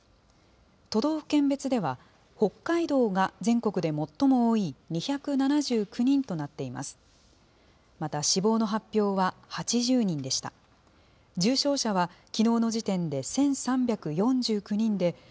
都道府県別では、北海道が全国で最も多い２７９人となっています。